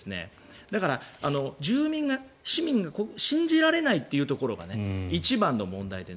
だから、住民が市民が信じられないというところが一番の問題で。